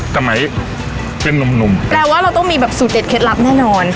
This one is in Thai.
สมัยที่หนุ่มแปลว่าเราต้องมีแบบสูตรเด็ดเคล็ดลับแน่นอน